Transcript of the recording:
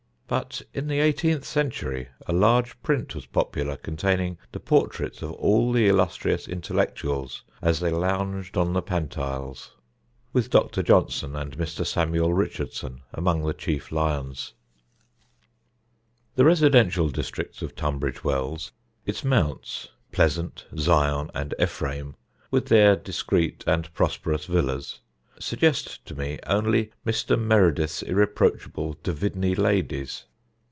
But in the eighteenth century a large print was popular containing the portraits of all the illustrious intellectuals as they lounged on the Pantiles, with Dr. Johnson and Mr. Samuel Richardson among the chief lions. [Sidenote: THE DUVIDNEY LADIES] The residential districts of Tunbridge Wells its Mounts, Pleasant, Zion and Ephraim, with their discreet and prosperous villas suggest to me only Mr. Meredith's irreproachable Duvidney ladies.